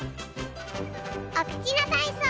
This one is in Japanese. おくちのたいそう。